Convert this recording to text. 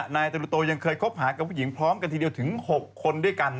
นายตรุโตยังเคยคบหากับผู้หญิงพร้อมกันทีเดียวถึง๖คนด้วยกัน